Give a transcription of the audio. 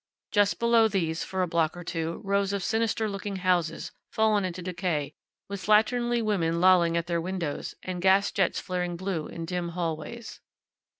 Just below these, for a block or two, rows of sinister looking houses, fallen into decay, with slatternly women lolling at their windows, and gas jets flaring blue in dim hallways.